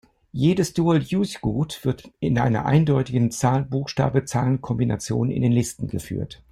Jedes Dual-Use-Gut wird mit einer eindeutigen Zahl-Buchstabe-Zahlenkombination in den Listen geführt.